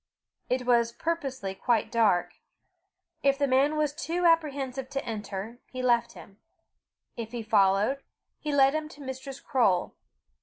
It was purposely quite dark. If the man was too apprehensive to enter, he left him; if he followed, he led him to Mistress Croale.